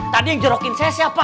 tadi yang jorokin saya siapa